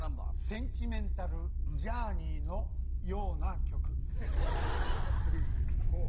『センチメンタル・ジャーニー』のような曲。